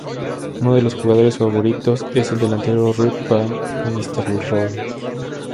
Uno de sus jugadores favoritos es el delantero Ruud van Nistelrooy.